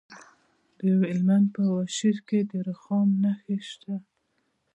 د هلمند په واشیر کې د رخام نښې شته.